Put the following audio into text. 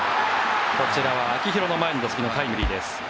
こちらは秋広の前の打席のタイムリーです。